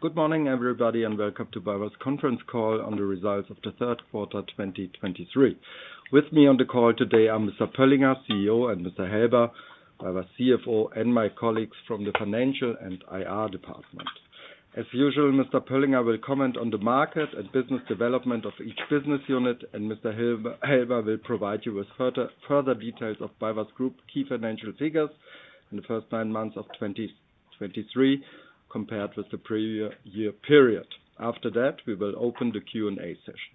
Good morning, everybody, and welcome to BayWa's conference call on the results of the third quarter, 2023. With me on the call today are Mr. Pöllinger, CEO, and Mr. Helber, BayWa CFO, and my colleagues from the financial and IR department. As usual, Mr. Pöllinger will comment on the market and business development of each business unit, and Mr. Helber will provide you with further details of BayWa Group key financial figures in the first nine months of 2023, compared with the previous year period. After that, we will open the Q&A session.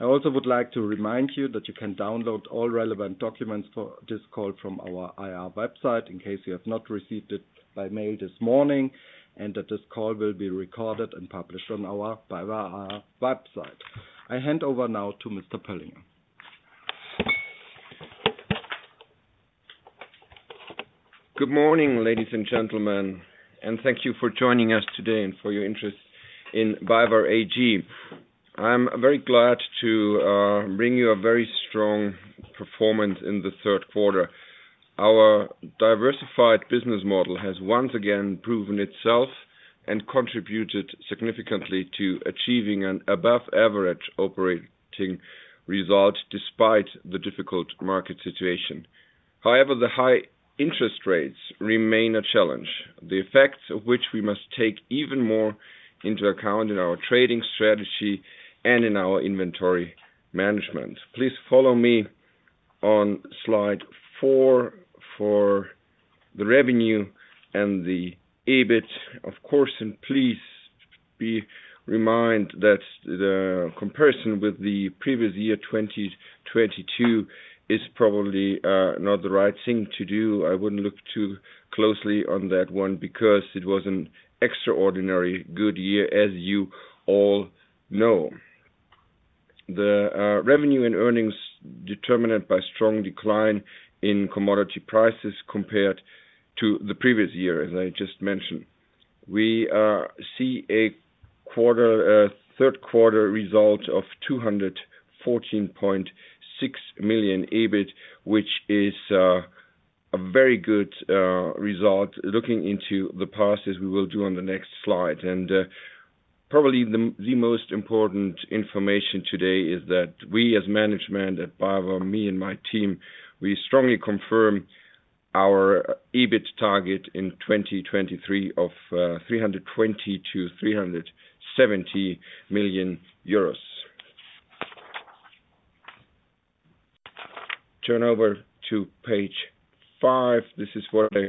I also would like to remind you that you can download all relevant documents for this call from our IR website, in case you have not received it by mail this morning, and that this call will be recorded and published on our BayWa website. I hand over now to Mr. Pöllinger.Mayer Good morning, ladies and gentlemen, and thank you for joining us today and for your interest in BayWa AG. I'm very glad to bring you a very strong performance in the third quarter. Our diversified business model has once again proven itself and contributed significantly to achieving an above average operating result, despite the difficult market situation. However, the high interest rates remain a challenge, the effects of which we must take even more into account in our trading strategy and in our inventory management. Please follow me on slide 4 for the revenue and the EBIT, of course, and please be reminded that the comparison with the previous year, 2022, is probably not the right thing to do. I wouldn't look too closely on that one because it was an extraordinarily good year, as you all know. The revenue and earnings determined by strong decline in commodity prices compared to the previous year, as I just mentioned. We see a quarter, third quarter result of 214.6 million EBIT, which is, a very good, result looking into the past, as we will do on the next slide. And, probably the, the most important information today is that we, as management at BayWa, me and my team, we strongly confirm our EBIT target in 2023 of, 320–370 million euros. Turn over to page five. This is what I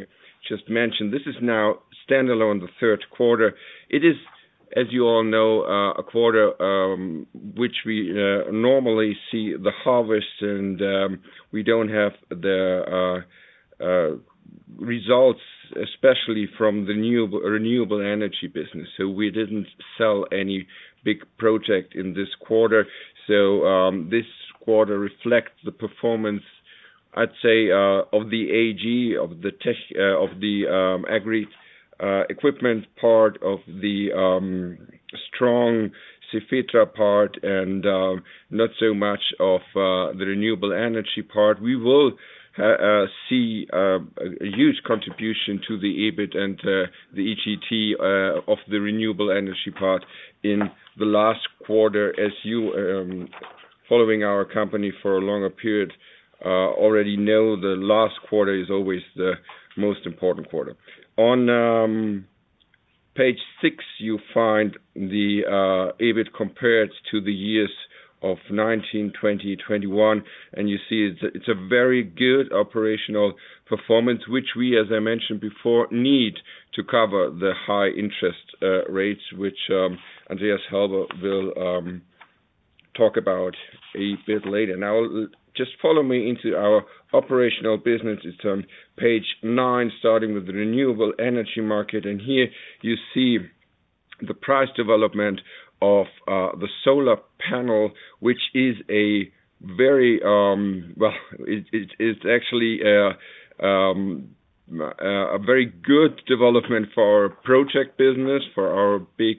just mentioned. This is now standalone, the third quarter. It is, as you all know, a quarter, which we, normally see the harvest and, we don't have the, results, especially from the renewable energy business. So we didn't sell any big project in this quarter. So, this quarter reflects the performance, I'd say, of the AG, of the tech, of the agri, equipment, part of the strong Cefetra part and, not so much of the renewable energy part. We will see a huge contribution to the EBIT and the EBT of the renewable energy part in the last quarter. As you following our company for a longer period already know, the last quarter is always the most important quarter. On page 6, you find the EBIT compared to the years of 2019, 2020, and 2021, and you see it's a very good operational performance, which we, as I mentioned before, need to cover the high interest rates, which Andreas Helber will talk about a bit later. Now, just follow me into our operational business, turn to page 9, starting with the renewable energy market. Here you see the price development of the solar panel, which is a very, well, it's actually a very good development for our project business, for our big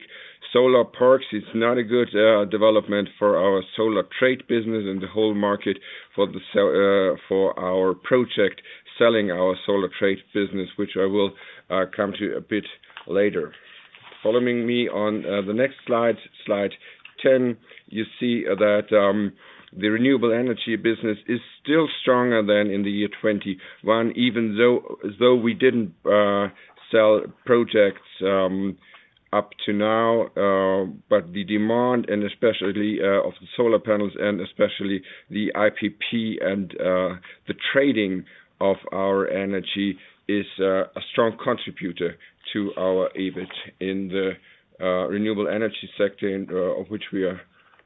solar parks. It's not a good development for our solar trade business and the whole market for the sale for our project selling our solar trade business, which I will come to a bit later. Following me on the next slide, slide 10, you see that the renewable energy business is still stronger than in the year 2021, even though we didn't sell projects up to now. But the demand, and especially of the solar panels and especially the IPP and the trading of our energy is a strong contributor to our EBIT in the renewable energy sector, and of which we are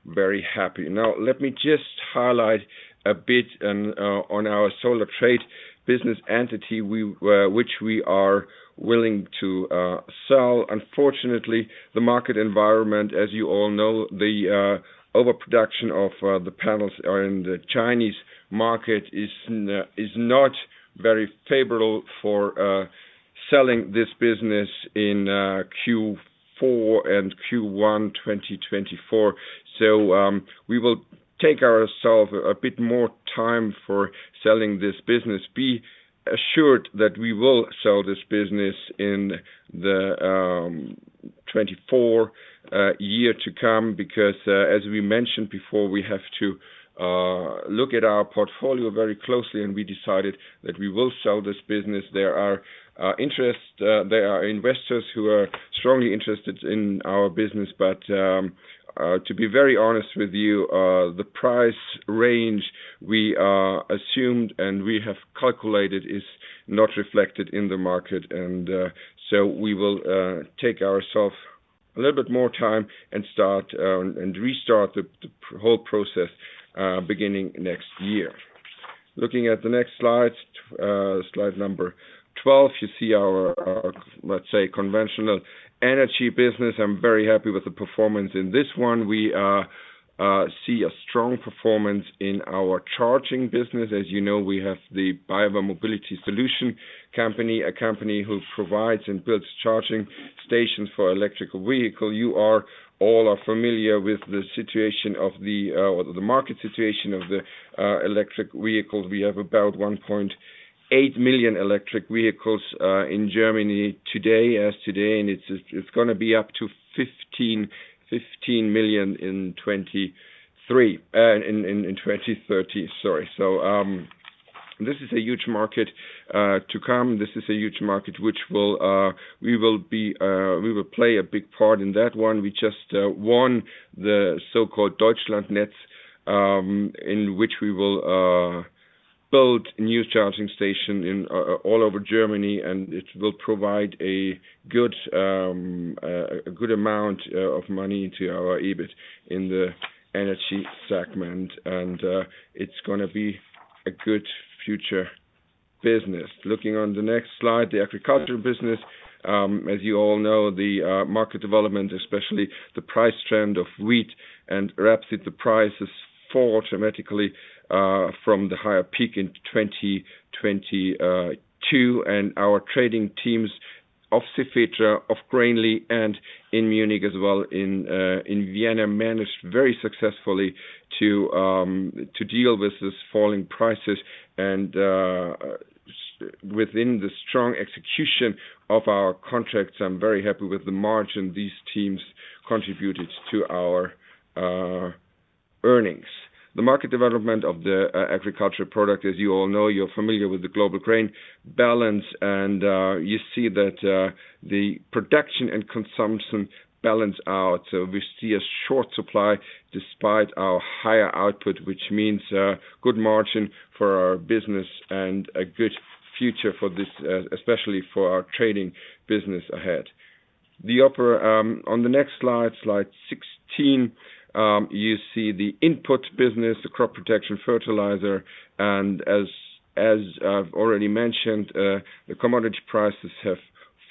very happy. Now, let me just highlight a bit on our solar trade business entity, which we are willing to sell. Unfortunately, the market environment, as you all know, the overproduction of the panels are in the Chinese market is not very favorable for selling this business in Q4 and Q1, 2024. So, we will take ourselves a bit more time for selling this business. Be assured that we will sell this business in the 2024 year to come, because as we mentioned before, we have to look at our portfolio very closely, and we decided that we will sell this business. There is interest, there are investors who are strongly interested in our business, but to be very honest with you, the price range we assumed and we have calculated is not reflected in the market. And so we will take ourselves a little bit more time and restart the whole process beginning next year. Looking at the next slide, slide number 12, you see our, let's say, conventional energy business. I'm very happy with the performance in this one. We see a strong performance in our charging business. As you know, we have the BayWa Mobility Solutions company, a company who provides and builds charging stations for electric vehicle. You are all familiar with the situation of the or the market situation of the electric vehicles. We have about 1.8 million electric vehicles in Germany today, and it's gonna be up to 15 million in 2030, sorry. So, this is a huge market to come. This is a huge market, which we will play a big part in that one. We just won the so-called Deutschlandnetz, in which we will build new charging station in all over Germany, and it will provide a good amount of money to our EBIT in the energy segment, and it's gonna be a good future business. Looking on the next slide, the agricultural business. As you all know, the market development, especially the price trend of wheat and rapeseed, the prices fall dramatically from the higher peak in 2022. And our trading teams of Cefetra, of Grainli, and in Munich as well, in Vienna, managed very successfully to deal with this falling prices. And within the strong execution of our contracts, I'm very happy with the margin these teams contributed to our earnings. The market development of the agricultural product, as you all know, you're familiar with the global grain balance, and you see that the production and consumption balance out. So we see a short supply despite our higher output, which means good margin for our business and a good future for this, especially for our trading business ahead. On the next slide, slide 16, you see the input business, the crop protection fertilizer. And as I've already mentioned, the commodity prices have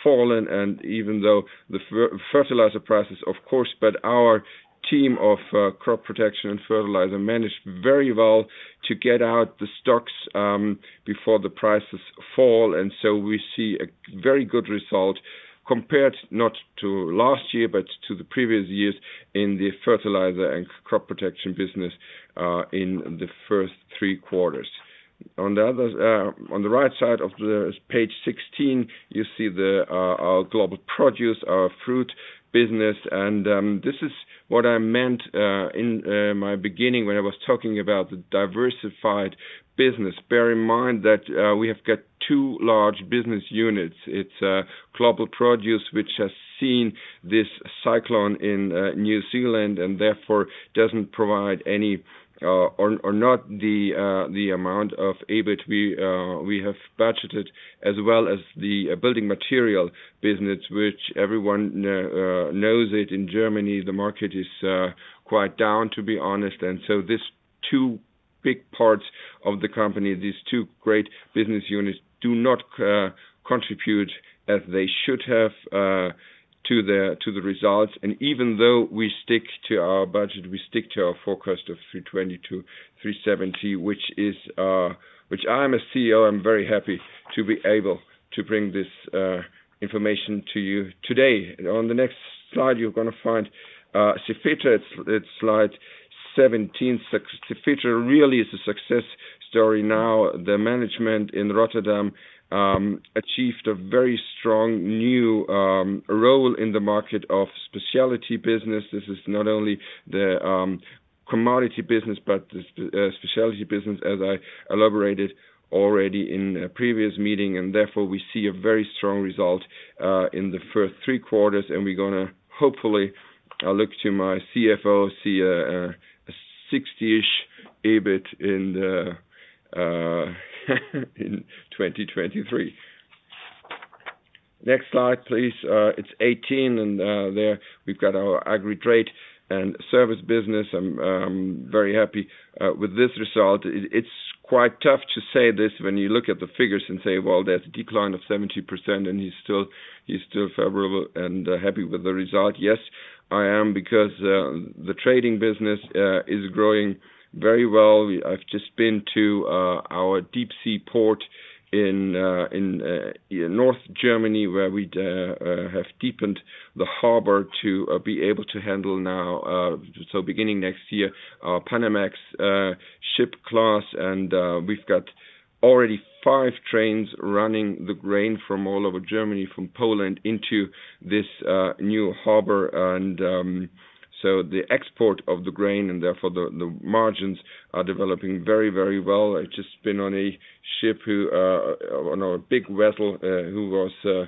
fallen, and even though the fertilizer prices, of course, but our team of crop protection and fertilizer managed very well to get out the stocks before the prices fall. So we see a very good result compared not to last year, but to the previous years in the fertilizer and crop protection business in the first three quarters. On the other, on the right side of the page 16, you see the, our global produce, our fruit business. And, this is what I meant, in, my beginning when I was talking about the diversified business. Bear in mind that, we have got two large business units. It's, global produce, which has seen this cyclone in, New Zealand and therefore doesn't provide any, or, or not the, the amount of EBIT we, we have budgeted, as well as the building material business, which everyone knows it. In Germany, the market is, quite down, to be honest. These two big parts of the company, these two great business units, do not contribute as they should have to the results. Even though we stick to our budget, we stick to our forecast of 322-370, which is which I'm a CEO, I'm very happy to be able to bring this information to you today. On the next slide, you're gonna find Cefetra. It's slide 17. Cefetra really is a success story now. The management in Rotterdam achieved a very strong new role in the market of specialty business. This is not only the commodity business, but the specialty business, as I elaborated already in a previous meeting, and therefore, we see a very strong result in the first three quarters, and we're gonna hopefully, I look to my CFO, see a 60-ish EBIT in 2023. Next slide, please. It's 18, and there we've got our agri trade and service business. I'm very happy with this result. It's quite tough to say this when you look at the figures and say, "Well, there's a decline of 70%, and he's still, he's still favorable and happy with the result." Yes. I am, because the trading business is growing very well. I've just been to our deep sea port in North Germany, where we have deepened the harbor to be able to handle now, so beginning next year, Panamax ship class, and we've got already five trains running the grain from all over Germany, from Poland into this new harbor. So the export of the grain and therefore the margins are developing very, very well. I've just been on a ship who on a big vessel who was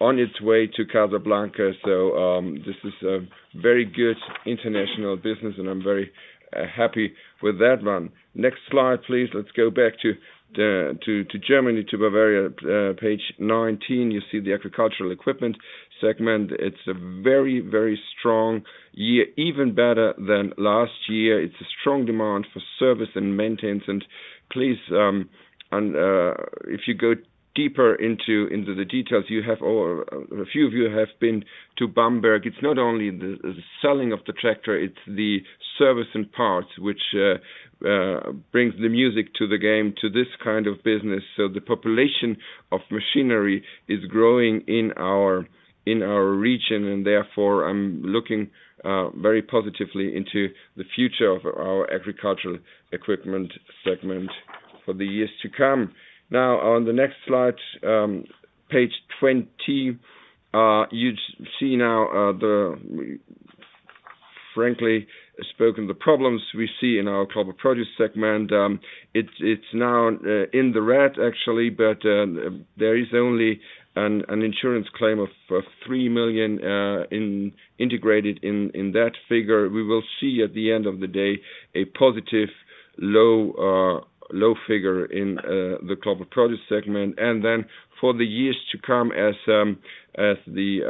on its way to Casablanca. So this is a very good international business, and I'm very happy with that one. Next slide, please. Let's go back to Germany, to Bavaria. Page 19, you see the agricultural equipment segment. It's a very, very strong year, even better than last year. It's a strong demand for service and maintenance. And please, if you go deeper into the details, a few of you have been to Bamberg, it's not only the selling of the tractor, it's the service and parts, which brings the music to the game, to this kind of business. So the population of machinery is growing in our region, and therefore, I'm looking very positively into the future of our agricultural equipment segment for the years to come. Now, on the next slide, page 20, you see now the, frankly spoken, the problems we see in our Global Produce segment. It's now in the red, actually, but there is only an insurance claim of 3 million integrated in that figure. We will see at the end of the day, a positive low, low figure in the Global Produce segment. And then for the years to come, as the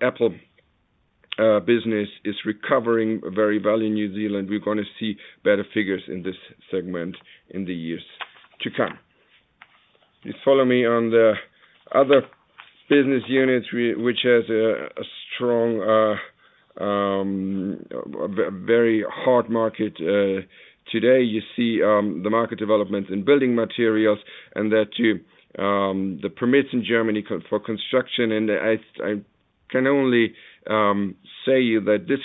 Apple business is recovering very well in New Zealand, we're gonna see better figures in this segment in the years to come. You follow me on the other business units, which has a strong, very hard market today. You see the market developments in building materials, and that too, the permits in Germany for construction. I can only say that this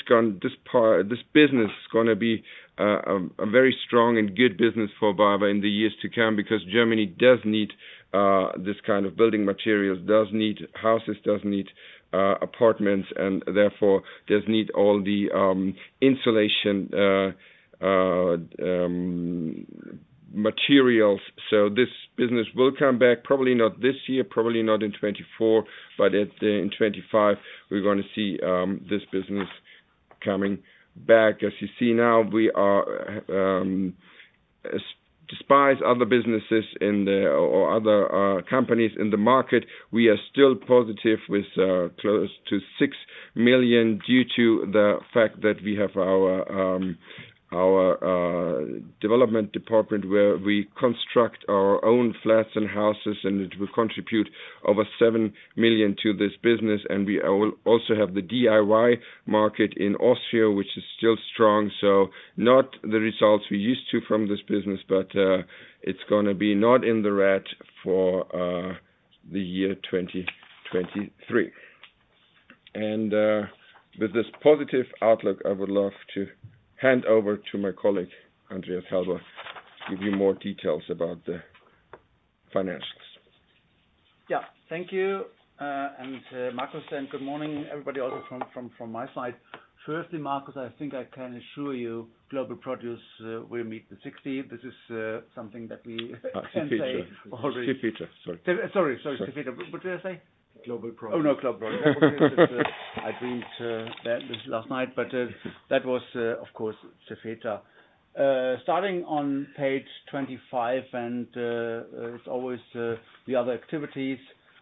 part, this business is gonna be a very strong and good business for BayWa in the years to come, because Germany does need this kind of building materials, does need houses, does need apartments, and therefore does need all the insulation materials. This business will come back, probably not this year, probably not in 2024, but in 2025, we're gonna see this business coming back. As you see now, we are, despite other businesses in the or other companies in the market, we are still positive with close to 6 million due to the fact that we have our development department, where we construct our own flats and houses, and it will contribute over 7 million to this business. And we will also have the DIY market in Austria, which is still strong. So not the results we're used to from this business, but it's gonna be not in the red for the year 2023. And with this positive outlook, I would love to hand over to my colleague, Andreas Helber, give you more details about the financials. Yeah. Thank you, and Marcus, and good morning, everybody, also from my side. Firstly, Marcus, I think I can assure you, Global Produce will meet the 60. This is something that we can say already. Sorry. Sorry, sorry. What did I say? Global Produce. Oh, no, Global Produce. I dreamed that this last night, but that was, of course, Cefetra. Starting on page 25, and it's always the other activities,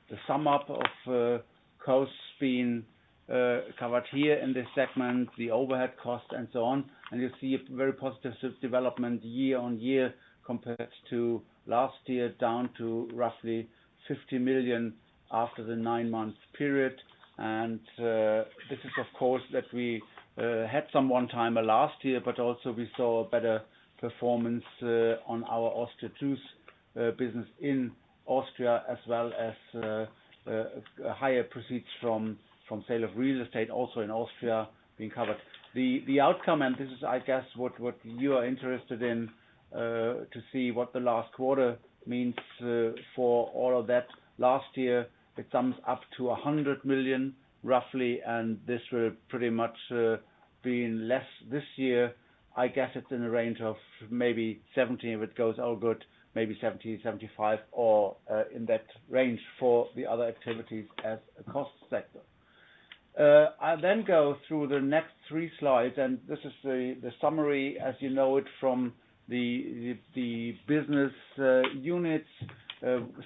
the sum up of costs being covered here in this segment, the overhead cost and so on. And you see a very positive development year-on-year, compared to last year, down to roughly 50 million after the nine-month period. And this is, of course, that we had some one-timer last year, but also we saw a better performance on our Austrian business in Austria, as well as higher proceeds from sale of real estate, also in Austria being covered. The outcome, and this is, I guess, what you are interested in, to see what the last quarter means for all of that. Last year, it sums up to 100 million, roughly, and this will pretty much being less this year. I guess it's in the range of maybe 70, if it goes all good, maybe 70, 75, or in that range for the other activities as a cost sector. I'll then go through the next three slides, and this is the summary, as you know it from the business units,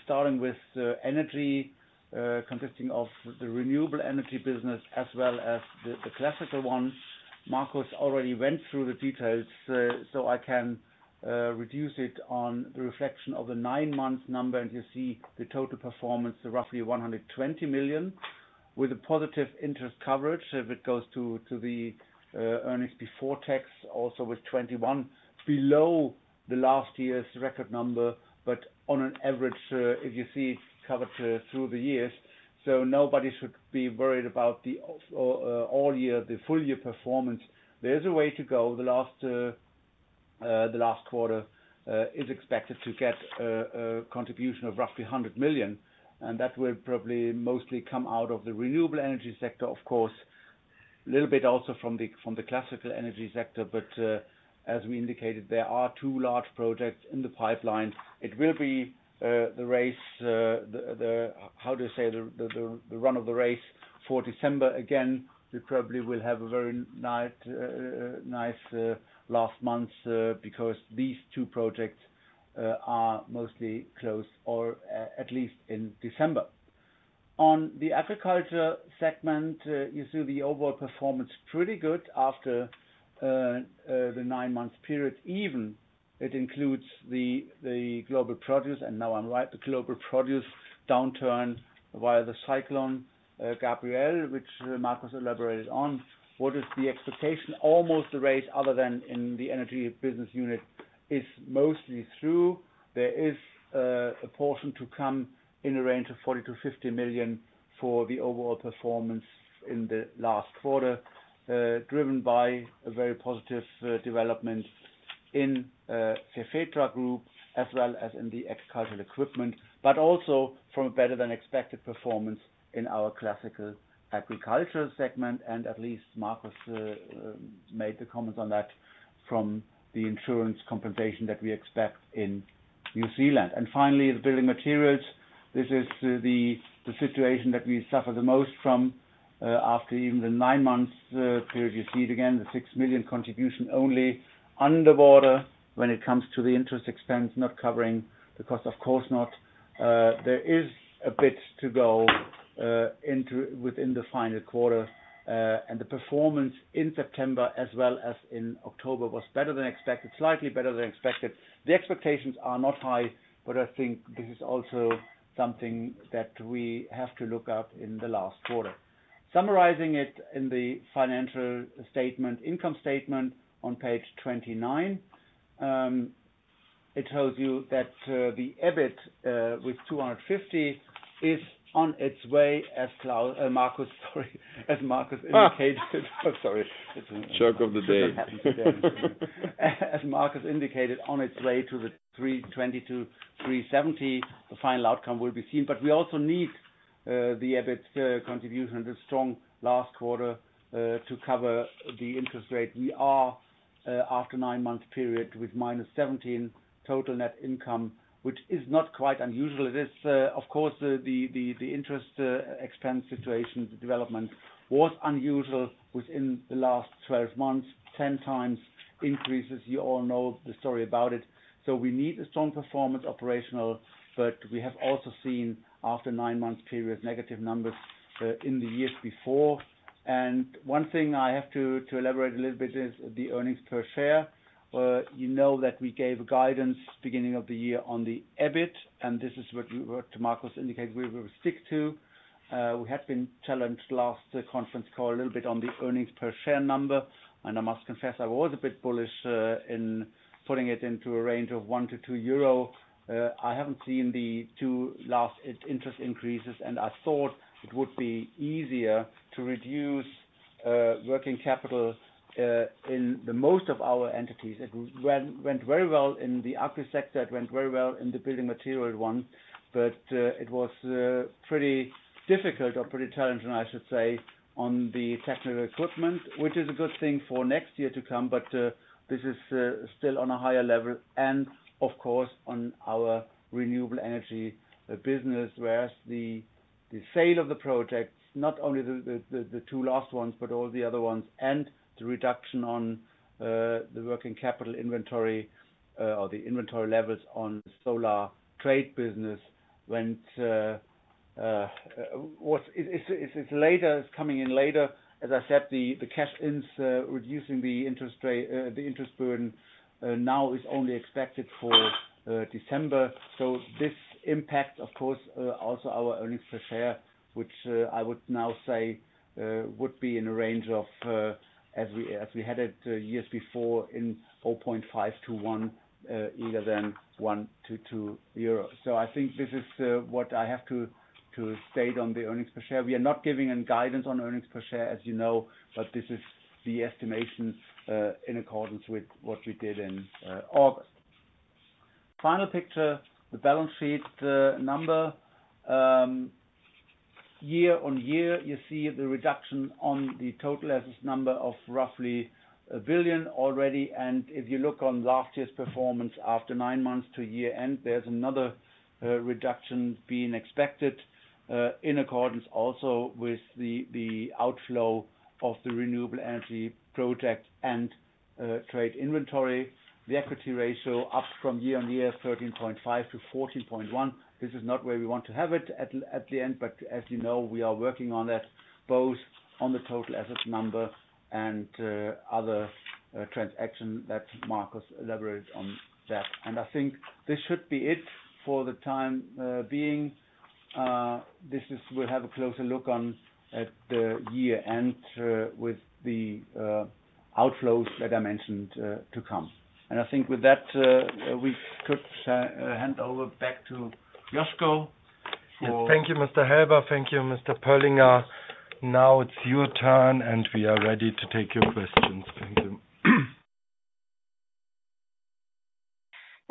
starting with energy, consisting of the renewable energy business as well as the classical ones. Marcus already went through the details, so I can reduce it on the reflection of the nine-month number, and you see the total performance, roughly 120 million, with a positive interest coverage. If it goes to the earnings before tax, also with 21, below the last year's record number, but on an average, if you see it covered through the years. So nobody should be worried about the overall, the full year performance. There's a way to go. The last quarter is expected to get a contribution of roughly 100 million, and that will probably mostly come out of the renewable energy sector, of course, a little bit also from the classical energy sector. But as we indicated, there are two large projects in the pipeline. It will be the race, how to say, the run of the race for December. Again, we probably will have a very nice, nice, last month, because these two projects are mostly close or at least in December. On the agriculture segment, you see the overall performance pretty good after the nine-month period. Even it includes the, the global produce, and now I'm right, the global produce downturn via the Cyclone Gabrielle, which Marcus elaborated on. What is the expectation? Almost the rate other than in the energy business unit is mostly through. There is a portion to come in a range of 40 million-50 million for the overall performance in the last quarter, driven by a very positive development in Cefetra Group as well as in the agricultural equipment, but also from a better-than-expected performance in our classical agricultural segment. At least Marcus made the comments on that from the insurance compensation that we expect in New Zealand. Finally, the building materials. This is the situation that we suffer the most from after even the nine months period. You see it again, the 6 million contribution only under water when it comes to the interest expense, not covering the cost, of course not. There is a bit to go into within the final quarter, and the performance in September as well as in October was better than expected, slightly better than expected. The expectations are not high, but I think this is also something that we have to look at in the last quarter. Summarizing it in the financial statement, income statement on page 29, it tells you that the EBIT with 250 is on its way, as Marcus, sorry, as Marcus indicated. I'm sorry. Joke of the day. As Marcus indicated, on its way to the 3.20-3.70, the final outcome will be seen. But we also need the EBIT contribution and the strong last quarter to cover the interest rate. We are after nine-month period with 17 total net income, which is not quite unusual. It is, of course, the interest expense situation. The development was unusual within the last 12 months, 10 times increases. You all know the story about it. So we need a strong performance operational, but we have also seen, after nine-month period, negative numbers in the years before. And one thing I have to elaborate a little bit is the earnings per share. You know that we gave guidance beginning of the year on the EBIT, and this is what Marcus indicated we will stick to. We had been challenged last conference call a little bit on the earnings per share number, and I must confess, I was a bit bullish in putting it into a range of 1-2 euro. I haven't seen the 2 last interest increases, and I thought it would be easier to reduce working capital in the most of our entities. It went very well in the agri sector. It went very well in the building material one, but it was pretty difficult or pretty challenging, I should say, on the technical equipment, which is a good thing for next year to come. But this is still on a higher level and of course, on our renewable energy business, whereas the sale of the projects, not only the two last ones, but all the other ones, and the reduction on the working capital inventory or the inventory levels on solar trade business went was—it's later, it's coming in later. As I said, the cash ins reducing the interest rate the interest burden now is only expected for December. So this impacts, of course, also our earnings per share, which I would now say would be in a range of as we had it years before in 0.5–1.0 either than 1.0–2.0 euros. So I think this is what I have to state on the earnings per share. We are not giving any guidance on earnings per share, as you know, but this is the estimation in accordance with what we did in August. Final picture, the balance sheet number. Year-on-year, you see the reduction on the total assets number of roughly 1 billion already. And if you look on last year's performance, after nine months to year-end, there's another reduction being expected in accordance also with the outflow of the renewable energy project and trade inventory, the equity ratio up from year-on-year, 13.5% to 14.1%. This is not where we want to have it at the end, but as you know, we are working on that, both on the total assets number and other transaction that Marcus elaborated on that. And I think this should be it for the time being. We'll have a closer look on at the year-end with the outflows that I mentioned to come. And I think with that, we could hand over back to Josko. Thank you, Mr. Helber. Thank you, Mr. Pöllinger. Now it's your turn, and we are ready to take your questions. Thank you.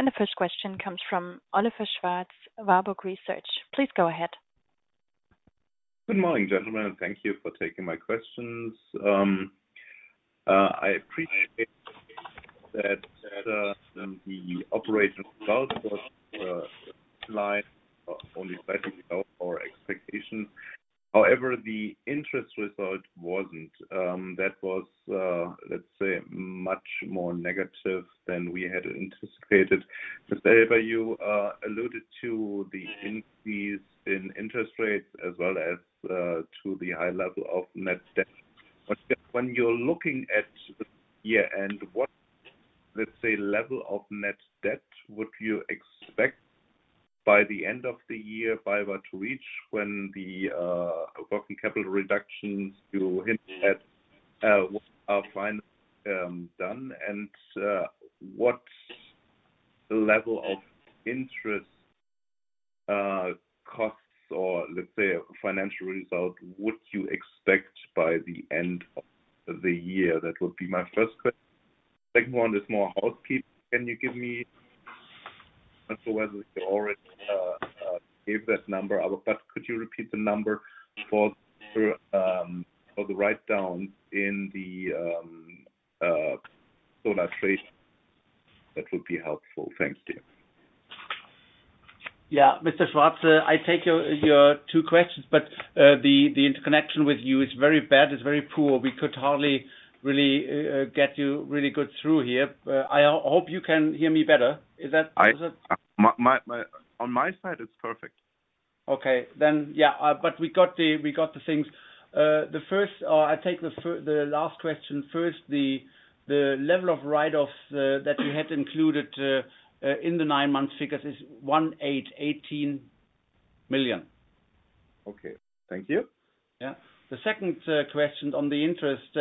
The first question comes from Oliver Schwarz, Warburg Research. Please go ahead. Good morning, gentlemen. Thank you for taking my questions. I appreciate that the operational results was only slightly below our expectation. However, the interest result wasn't. That was, let's say, much more negative than we had anticipated. Mr. Helber, you alluded to the increase in interest rates as well as to the high level of net debt. But when you're looking at the year and what, let's say, level of net debt would you expect by the end of the year, by about to reach when the working capital reductions you hinted at are finally done? And what level of interest costs, or let's say, financial result would you expect by the end of the year? That would be my first question. Second one is more housekeeping. Can you give me, not sure whether you already gave that number, but could you repeat the number for the write-down in the solar trade? That would be helpful. Thank you. Yeah, Mr. Schwarz, I take your two questions, but the interconnection with you is very bad; it's very poor. We could hardly really get you really good through here. I hope you can hear me better. Is that- On my side, it's perfect. Okay, then, yeah, but we got the things. The first, I take the last question first. The level of write-offs that we had included in the nine months figures is 18 million. Okay, thank you. Yeah. The second question on the interest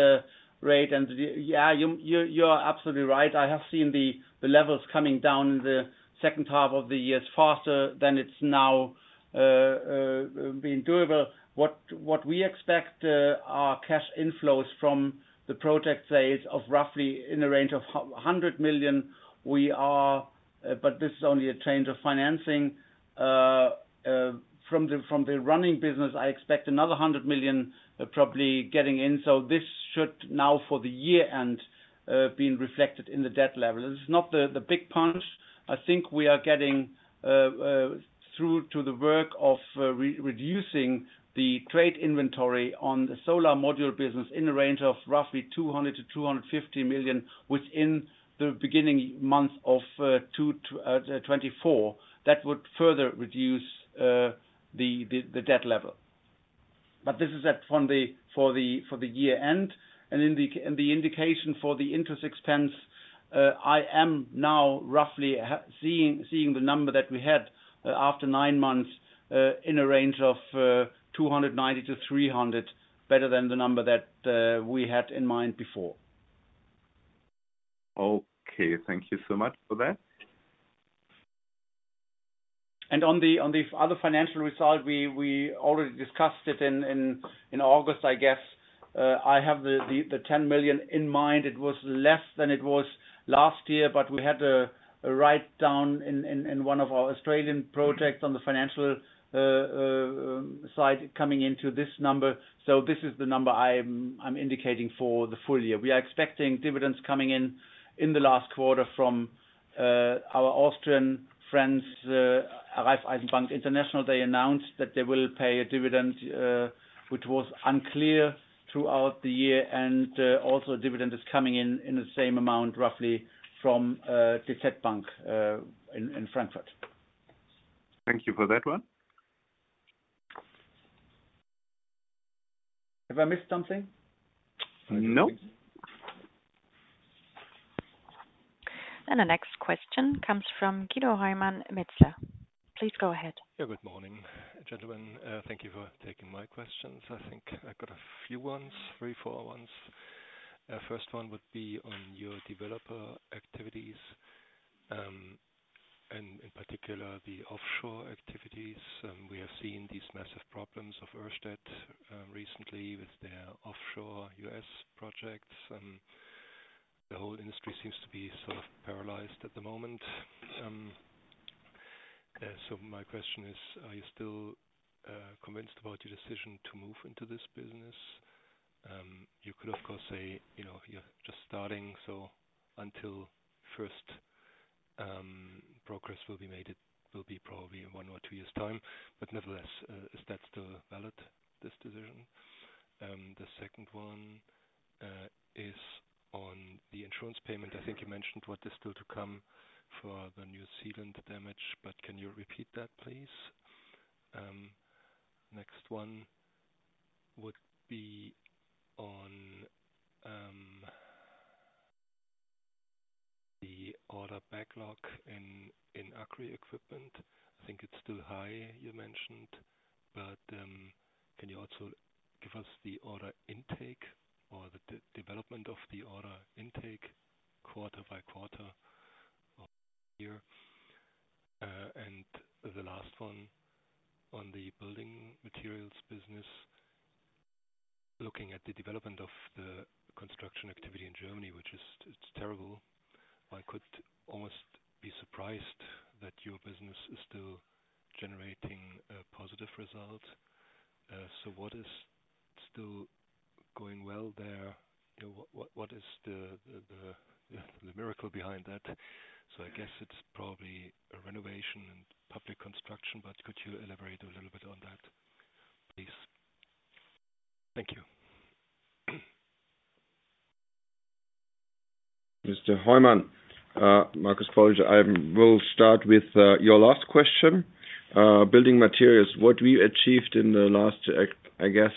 rate, and yeah, you, you're absolutely right. I have seen the levels coming down in the second half of the year is faster than it's now been doable. What we expect are cash inflows from the project sales of roughly in the range of 100 million. But this is only a change of financing. From the running business, I expect another 100 million probably getting in, so this should now for the year end being reflected in the debt level. This is not the big punch. I think we are getting through to the work of reducing the trade inventory on the solar module business in the range of roughly 200-250 million, within the beginning month of 2024. That would further reduce the debt level. But this is at from the year-end. In the indication for the interest expense, I am now roughly seeing the number that we had after nine months in a range of 290-300, better than the number that we had in mind before. Okay, thank you so much for that. And on the other financial result, we already discussed it in August, I guess. I have the 10 million in mind. It was less than it was last year, but we had a write down in one of our Australian projects on the financial side coming into this number. So this is the number I'm indicating for the full year. We are expecting dividends coming in in the last quarter from our Austrian friends, Raiffeisen Bank International. They announced that they will pay a dividend, which was unclear throughout the year, and also a dividend is coming in, in the same amount, roughly from DZ Bank, in Frankfurt. Thank you for that one. Have I missed something? No. The next question comes from Guido Hoymann, Metzler. Please go ahead. Yeah, good morning, gentlemen. Thank you for taking my questions. I think I got a few ones, three, four ones. First one would be on your developer activities, and in particular, the offshore activities. We have seen these massive problems of Ørsted recently with their offshore U.S. projects, and the whole industry seems to be sort of paralyzed at the moment. So my question is, are you still convinced about your decision to move into this business? You could, of course, say, you know, you're just starting, so until first progress will be made, it will be probably in one or two years' time. But nevertheless, is that still valid, this decision? The second one is on the insurance payment. I think you mentioned what is still to come for the New Zealand damage, but can you repeat that, please? Next one would be on the order backlog in agri equipment. I think it's still high, you mentioned, but can you also give us the order intake or the development of the order intake quarter by quarter of year? And the last one, on the building materials business, looking at the development of the construction activity in Germany, which is terrible. I could almost be surprised that your business is still generating a positive result. So what is still going well there? What is the miracle behind that? So I guess it's probably a renovation and public construction, but could you elaborate a little bit on that, please? Thank you. Mr. Hoymann, Marcus Pöllinger. I will start with your last question. Building materials. What we achieved in the last, I guess,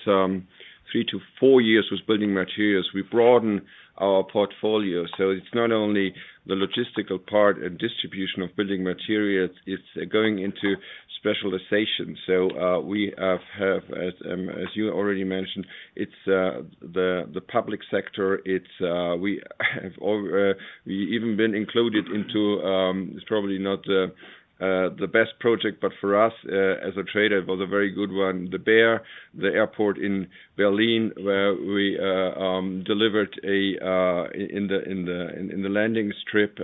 3-4 years, with building materials, we broadened our portfolio. So it's not only the logistical part and distribution of building materials, it's going into specialization. So, we have, as you already mentioned, it's the public sector, it's we have even been included into, it's probably not the best project, but for us, as a trader, it was a very good one. The BER, the airport in Berlin, where we delivered, in the landing strip,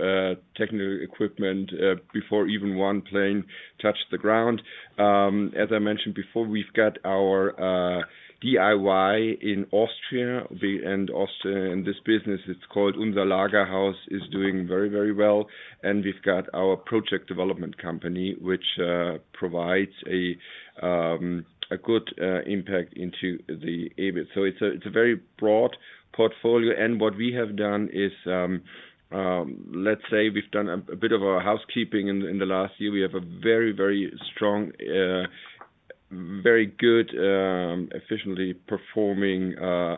technical equipment, before even one plane touched the ground. As I mentioned before, we've got our DIY in Austria, we and also in this business, it's called Unser Lagerhaus, is doing very, very well. And we've got our project development company, which provides a good impact into the EBIT. So it's a, it's a very broad portfolio, and what we have done is, let's say we've done a bit of a housekeeping in the last year. We have a very, very strong, very good, efficiently performing,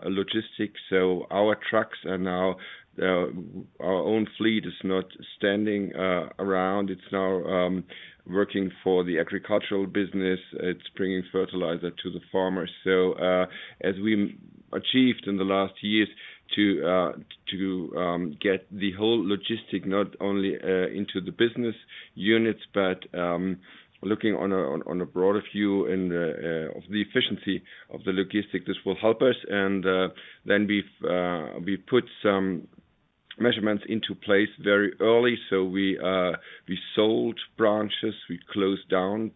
logistics. So our trucks are now, our own fleet is not standing around. It's now working for the agricultural business. It's bringing fertilizer to the farmers. So, as we achieved in the last years to get the whole logistics, not only into the business units, but looking on a broader view and of the efficiency of the logistics, this will help us. And then we've put some measures into place very early. So we sold branches, we closed down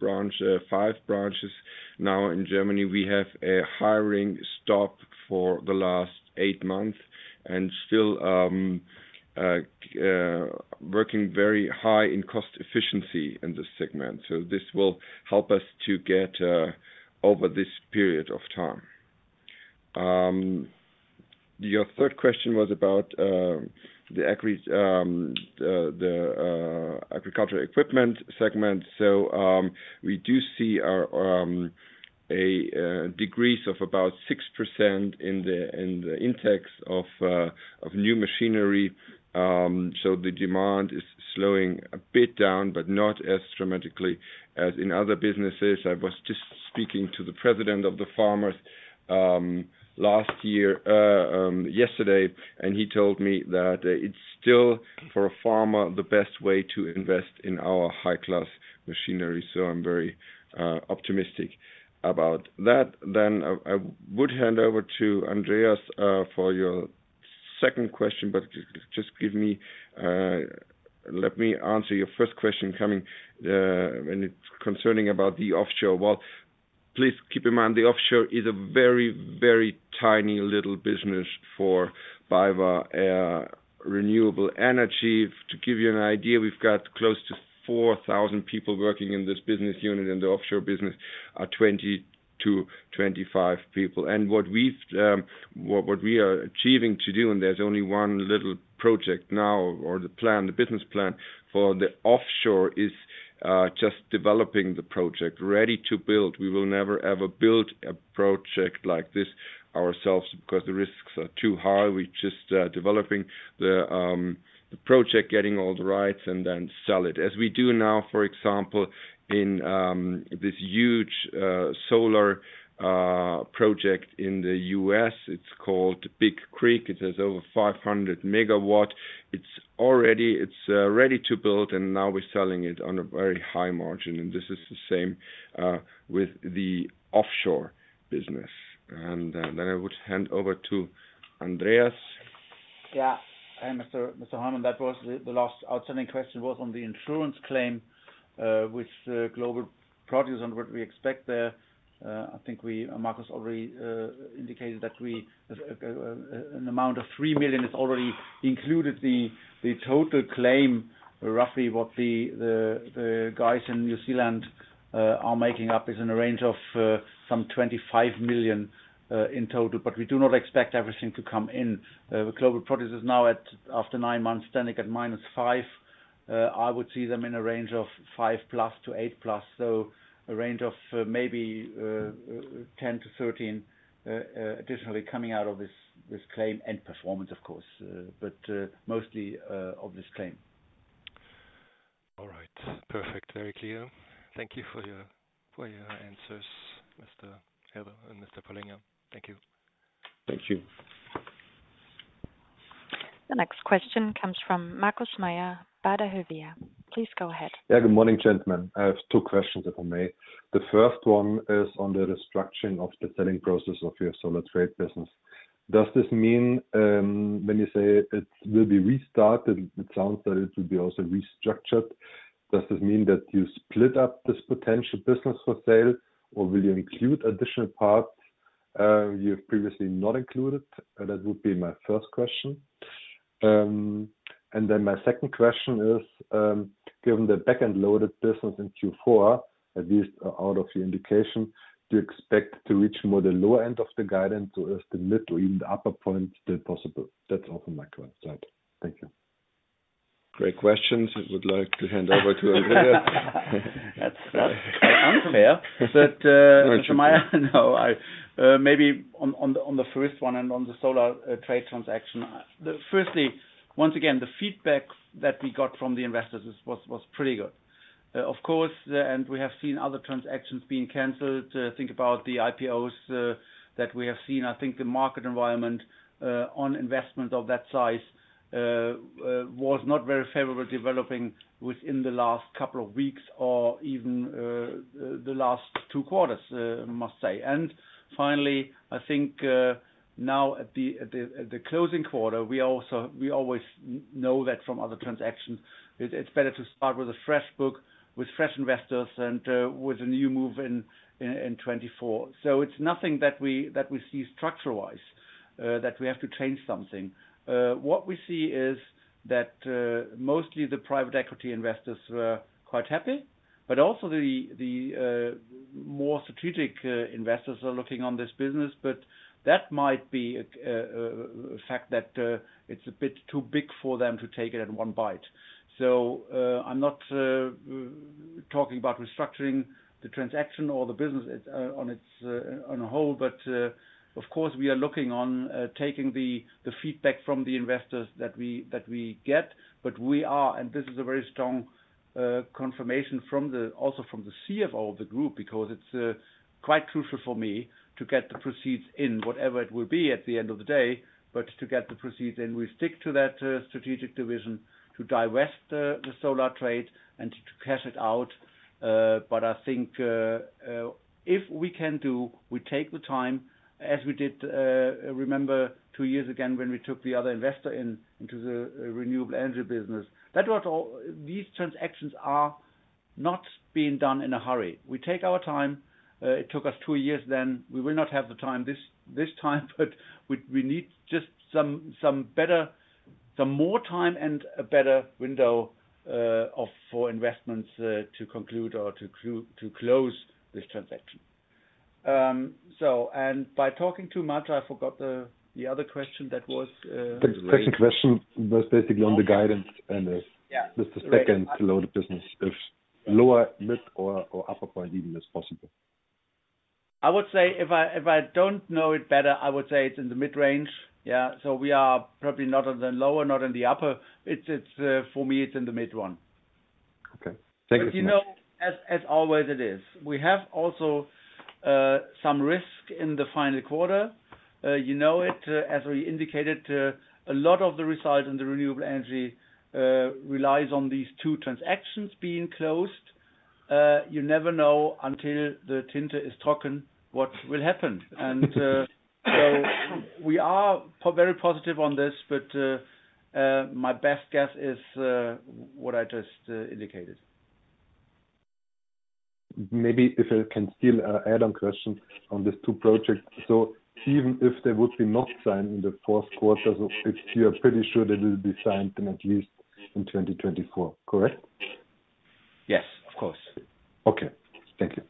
five branches now in Germany. We have a hiring stop for the last eight months and still working very high in cost efficiency in this segment. So this will help us to get over this period of time. Your third question was about the agricultural equipment segment. So, we do see our decrease of about 6% in the intakes of new machinery. So the demand is slowing a bit down, but not as dramatically as in other businesses. I was just speaking to the president of the farmers last year, yesterday, and he told me that it's still, for a farmer, the best way to invest in our high-class machinery. So I'm very optimistic about that. Then I would hand over to Andreas for your second question, but just give me... Let me answer your first question coming, and it's concerning about the offshore. Well, please keep in mind, the offshore is a very, very tiny little business for BayWa renewable energy. To give you an idea, we've got close to 4,000 people working in this business unit, and the offshore business are 20-25 people. What we are achieving to do, and there's only one little project now, or the plan, the business plan for the offshore is just developing the project, ready to build. We will never, ever build a project like this ourselves because the risks are too high. We're just developing the project, getting all the rights and then sell it. As we do now, for example, in this huge solar project in the U.S., it's called Big Creek. It has over 500 MW. It's already ready to build, and now we're selling it on a very high margin, and this is the same with the offshore business. I would hand over to Andreas.... Yeah. And Mr. Harmon, that was the last outstanding question was on the insurance claim, which Global Produce and what we expect there. I think Marcus already indicated that an amount of 3 million is already included in the total claim, roughly what the guys in New Zealand are making up is in a range of some 25 million in total, but we do not expect everything to come in. The Global Produce is now at, after nine months, standing at minus 5 million. I would see them in a range of 5+ to 8+, so a range of maybe 10-13 additionally coming out of this claim and performance, of course, but mostly of this claim. All right. Perfect. Very clear. Thank you for your, for your answers, Mr. Helber and Mr. Pöllinger. Thank you. Thank you. The next question comes from Markus Mayer, Baader Helvea. Please go ahead. Yeah. Good morning, gentlemen. I have two questions, if I may. The first one is on the restructuring of the selling process of your solar trade business. Does this mean, when you say it will be restarted, it sounds that it will be also restructured. Does this mean that you split up this potential business for sale, or will you include additional parts, you've previously not included? That would be my first question. And then my second question is, given the back-end loaded business in Q4, at least out of your indication, do you expect to reach more the lower end of the guidance or the mid to even the upper point that possible? That's all from my side. Thank you. Great questions. I would like to hand over to Andreas. That's unfair. But, Mr. Mayer, no, I, maybe on the first one and on the solar trade transaction. Firstly, once again, the feedback that we got from the investors is, was pretty good. Of course, and we have seen other transactions being canceled, think about the IPOs, that we have seen. I think the market environment, on investment of that size, was not very favorable, developing within the last couple of weeks or even, the last two quarters, I must say. And finally, I think, now at the closing quarter, we also. We always know that from other transactions, it, it's better to start with a fresh book, with fresh investors and, with a new move in 2024. So it's nothing that we see structure-wise that we have to change something. What we see is that mostly the private equity investors were quite happy, but also the more strategic investors are looking on this business, but that might be a fact that it's a bit too big for them to take it in one bite. So I'm not talking about restructuring the transaction or the business as a whole, but of course, we are looking on taking the feedback from the investors that we get. But we are, and this is a very strong confirmation from the, also from the CFO of the group, because it's quite crucial for me to get the proceeds in, whatever it will be at the end of the day, but to get the proceeds, and we stick to that strategic division, to divest the solar trade and to cash it out. But I think, if we can do, we take the time as we did, remember, two years again, when we took the other investor in, into the renewable energy business. That was all. These transactions are not being done in a hurry. We take our time. It took us two years then. We will not have the time, this time, but we need just some better, some more time and a better window for investments to conclude or to close this transaction. So and by talking too much, I forgot the other question that was- The second question was basically on the guidance and, Yeah. Just the second half of business, if lower, mid, or upper end even is possible. I would say if I, if I don't know it better, I would say it's in the mid-range. Yeah. So we are probably not on the lower, not in the upper. It's, it's, for me, it's in the mid one. Okay. Thank you. But, you know, as always, we have also some risk in the final quarter. You know, as we indicated, a lot of the results in the renewable energy relies on these two transactions being closed. You never know until the ink is dry, what will happen. And, so we are very positive on this, but, my best guess is what I just indicated. Maybe if I can still add one question on these two projects. So even if they would be not signed in the fourth quarter of 2025, you are pretty sure that it will be signed then, at least in 2024, correct? Yes, of course. Okay, thank you.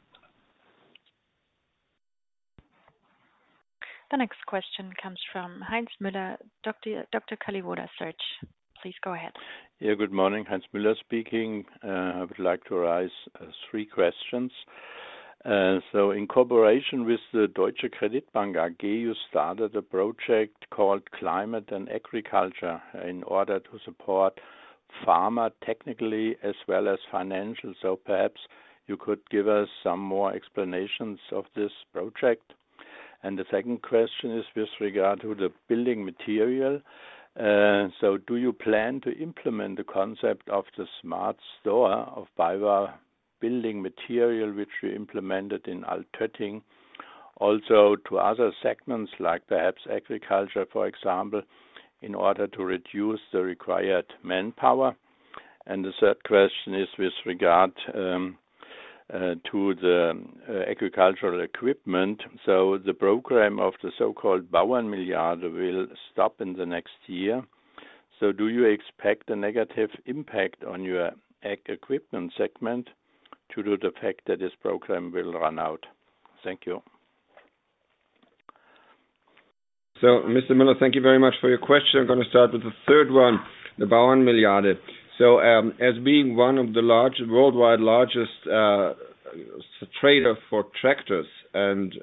The next question comes from Heinz Müller, Dr. Kalliwoda Research. Please go ahead. Yeah. Good morning, Heinz Müller speaking. I would like to raise three questions. So in cooperation with the Deutsche Kreditbank AG, you started a project called Climate and Agriculture, in order to support farmers technically as well as financially. So perhaps you could give us some more explanations of this project. And the second question is with regard to the building materials. So do you plan to implement the concept of the smart store of BayWa building materials, which we implemented in Altötting? Also, to other segments, like perhaps agriculture, for example, in order to reduce the required manpower. And the third question is with regard to the agricultural equipment. So the program of the so-called Bauernmilliarde will stop in the next year. Do you expect a negative impact on your ag equipment segment due to the fact that this program will run out? Thank you. So, Mr. Müller, thank you very much for your question. I'm gonna start with the third one, the Bauernmilliarde. As being one of the largest worldwide trader for tractors and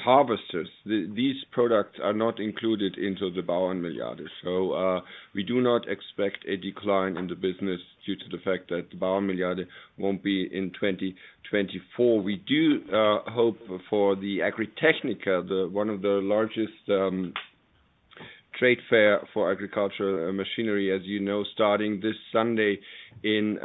harvesters, these products are not included into the Bauernmilliarde. So, we do not expect a decline in the business due to the fact that the Bauernmilliarde won't be in 2024. We do hope for the Agritechnica, one of the largest trade fair for agricultural machinery, as you know, starting this Sunday in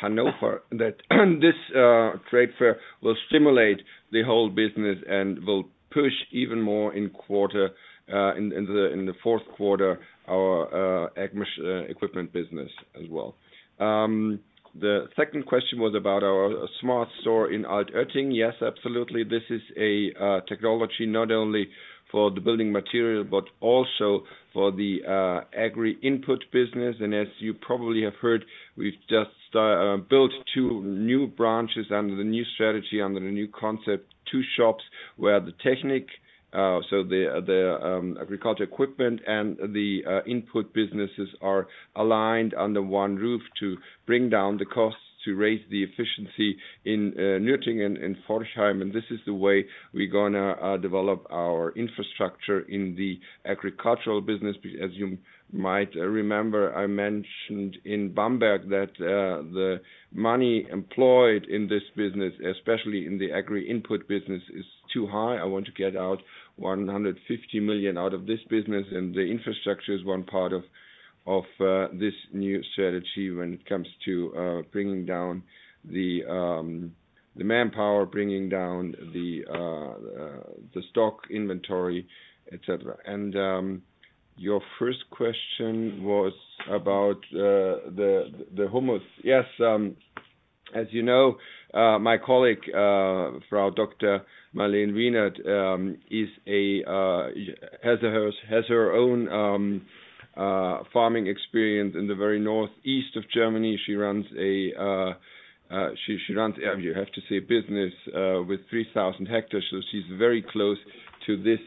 Hanover, that this trade fair will stimulate the whole business and will push even more in the fourth quarter, our ag equipment business as well. The second question was about our smart store in Altötting. Yes, absolutely. This is a technology not only for the building material, but also for the agri input business. And as you probably have heard, we've just built two new branches under the new strategy, under the new concept, two shops, where the technique so the agriculture equipment and the input businesses are aligned under one roof to bring down the costs, to raise the efficiency in Nürtingen and in Forchheim. And this is the way we're gonna develop our infrastructure in the agricultural business. B- as you might remember, I mentioned in Bamberg that the money employed in this business, especially in the agri input business, is too high. I want to get out 150 million out of this business, and the infrastructure is one part of this new strategy when it comes to bringing down the manpower, bringing down the stock inventory, et cetera. And your first question was about the humus. Yes, as you know, my colleague, Frau Dr. Marlen Wienert, has her own farming experience in the very northeast of Germany. She runs, you have to say, a business with 3,000 hectares, so she's very close to this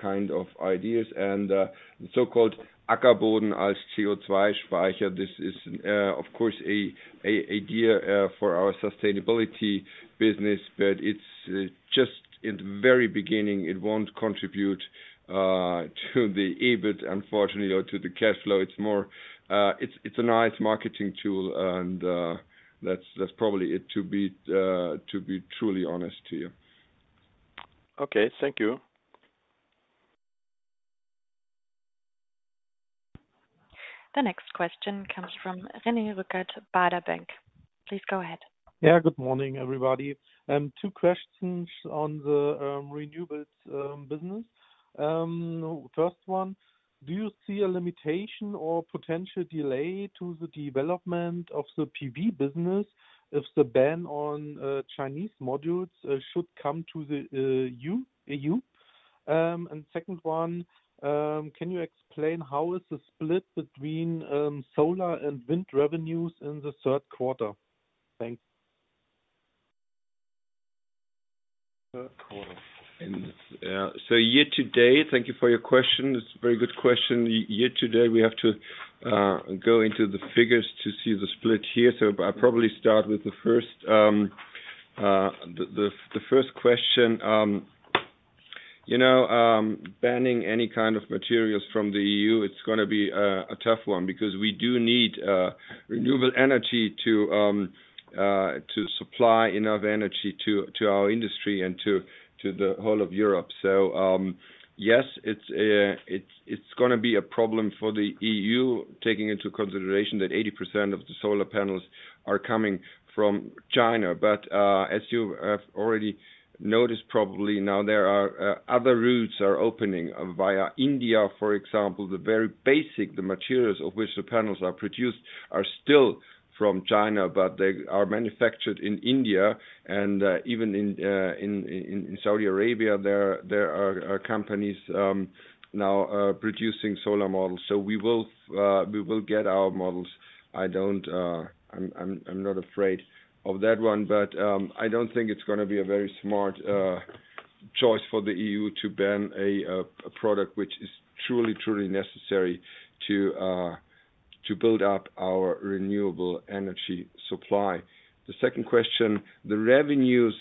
kind of ideas and the so-called Ackerboden als CO₂ Speicher. This is, of course, an idea for our sustainability business, but it's just in the very beginning. It won't contribute to the EBIT, unfortunately, or to the cash flow. It's more, it's a nice marketing tool, and that's probably it, to be truly honest to you. Okay, thank you. The next question comes from René Rückert, Baader Bank. Please go ahead. Yeah, good morning, everybody. Two questions on the renewables business. First one, do you see a limitation or potential delay to the development of the PV business if the ban on Chinese modules should come to the EU? And second one, can you explain how is the split between solar and wind revenues in the third quarter? Thanks. Third quarter. So year to date, thank you for your question. It's a very good question. Year to date, we have to go into the figures to see the split here. So I'll probably start with the first question. You know, banning any kind of materials from the EU, it's gonna be a tough one because we do need renewable energy to supply enough energy to our industry and to the whole of Europe. So, yes, it's gonna be a problem for the EU, taking into consideration that 80% of the solar panels are coming from China. But, as you have already noticed, probably now, there are other routes are opening via India, for example. The very basic, the materials of which the panels are produced are still from China, but they are manufactured in India and even in Saudi Arabia, there are companies now producing solar modules. So we will get our modules. I don't, I'm not afraid of that one, but I don't think it's gonna be a very smart choice for the EU to ban a product which is truly, truly necessary to build up our renewable energy supply. The second question, the revenues,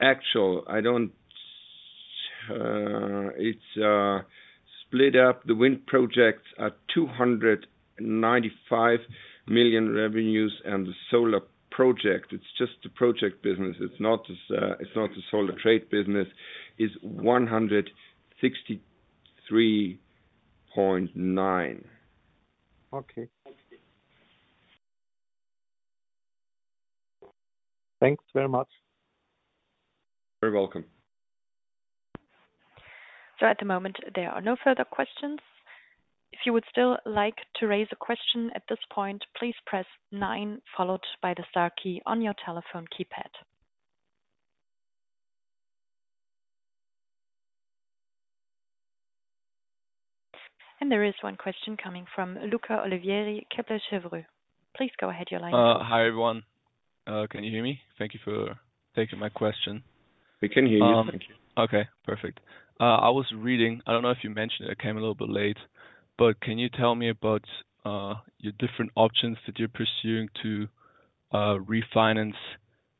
actual, I don't... It's split up. The wind projects are 295 million revenues, and the solar project, it's just the project business. It's not the solar trade business, is EUR 163.9 million.... Okay. Thanks very much. You're welcome. At the moment, there are no further questions. If you would still like to raise a question at this point, please press nine, followed by the star key on your telephone keypad. There is one question coming from Luca Olivieri, Kepler Cheuvreux. Please go ahead, you're live. Hi, everyone. Can you hear me? Thank you for taking my question. We can hear you. Thank you. Okay, perfect. I was reading, I don't know if you mentioned it. I came a little bit late, but can you tell me about your different options that you're pursuing to refinance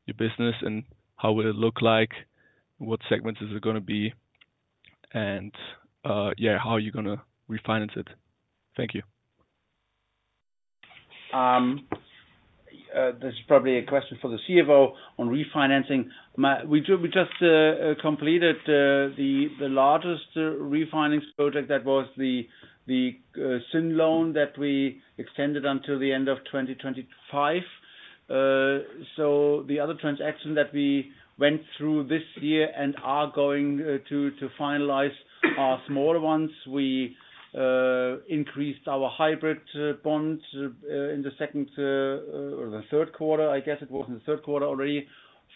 your business, and how would it look like? What segments is it gonna be? And, yeah, how are you gonna refinance it? Thank you. This is probably a question for the CFO on refinancing. We just completed the largest refinancing project that was the syndicated loan that we extended until the end of 2025. So the other transaction that we went through this year and are going to finalize are smaller ones. We increased our hybrid bonds in the second or the third quarter, I guess it was in the third quarter already,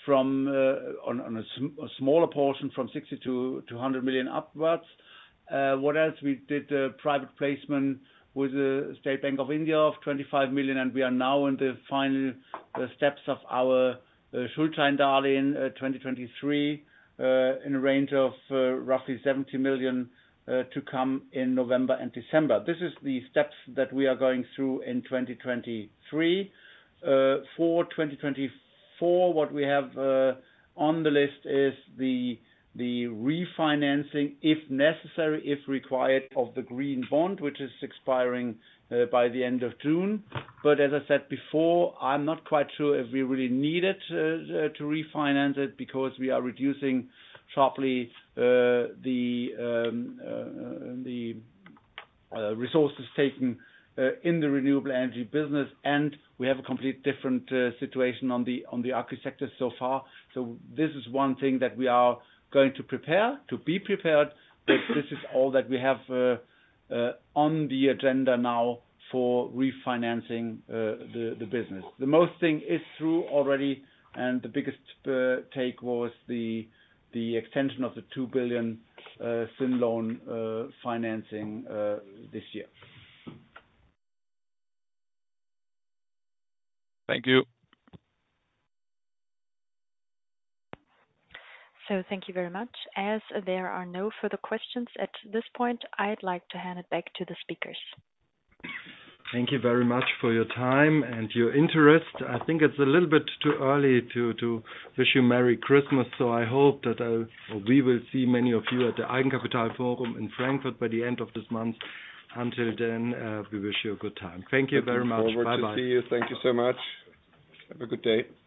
from on a smaller portion, from 60 million to 100 million upwards. What else? We did a private placement with the State Bank of India of 25 million, and we are now in the final steps of our in 2023 in a range of roughly 70 million to come in November and December. This is the steps that we are going through in 2023. For 2024, what we have on the list is the refinancing, if necessary, if required, of the green bond, which is expiring by the end of June. But as I said before, I'm not quite sure if we really need it to refinance it, because we are reducing sharply the resources taken in the renewable energy business, and we have a complete different situation on the architecture so far. This is one thing that we are going to prepare, to be prepared, but this is all that we have on the agenda now for refinancing the business. The most thing is through already, and the biggest take was the extension of the 2 billion syndicated loan financing this year. Thank you. Thank you very much. As there are no further questions at this point, I'd like to hand it back to the speakers. Thank you very much for your time and your interest. I think it's a little bit too early to wish you Merry Christmas, so I hope that I'll... We will see many of you at the Eigenkapital Forum in Frankfurt by the end of this month. Until then, we wish you a good time. Thank you very much. Bye-bye. Looking forward to see you. Thank you so much. Have a good day.